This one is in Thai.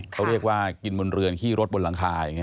เขาเรียกว่ากินบนเรือนขี้รถบนหลังคาอย่างนี้